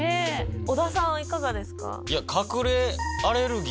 小田さんはいかがですか？